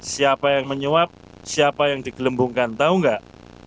siapa yang menyuap siapa yang digelembungkan tahu nggak